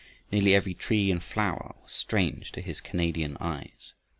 Nearly every tree and flower was strange to his Canadian eyes.